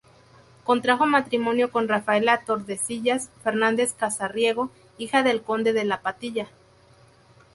Contrajo matrimonio con Rafaela Tordesillas Fernández-Casariego, hija del Conde de la Patilla.